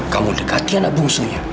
kamu dekati anak bungsunya